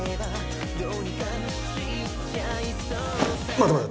待て待て！